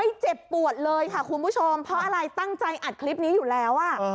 เจ็บปวดเลยค่ะคุณผู้ชมเพราะอะไรตั้งใจอัดคลิปนี้อยู่แล้วอ่ะ